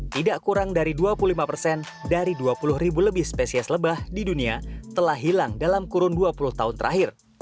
tidak kurang dari dua puluh lima persen dari dua puluh ribu lebih spesies lebah di dunia telah hilang dalam kurun dua puluh tahun terakhir